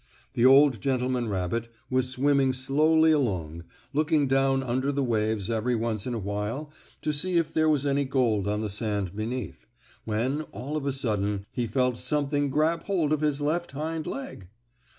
The old gentleman rabbit was swimming slowly along, looking down under the waves every once in a while to see if there was any gold on the sand beneath, when, all of a sudden, he felt something grab hold of his left hind leg.